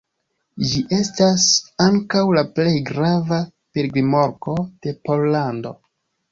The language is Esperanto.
Ĝi estas ankaŭ la plej grava pilgrimloko de Pollando.